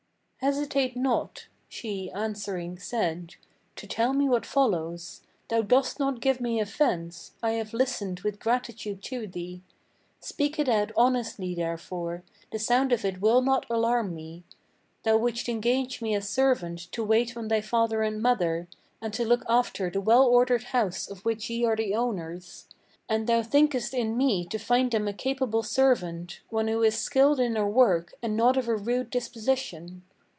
"Hesitate not," she, answering, said, "to tell me what follows. Thou dost not give me offence; I have listened with gratitude to thee: Speak it out honestly therefore; the sound of it will not alarm me. Thou wouldst engage me as servant to wait on thy father and mother, And to look after the well ordered house of which ye are the owners; And thou thinkest in me to find them a capable servant, One who is skilled in her work, and not of a rude disposition.